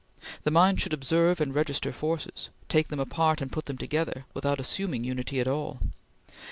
The mind should observe and register forces take them apart and put them together without assuming unity at all.